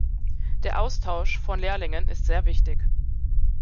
Der Austausch von Lehrlingen ist sehr wichtig.